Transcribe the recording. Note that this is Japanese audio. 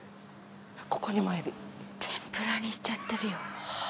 ここにもエビ天ぷらにしちゃってるよ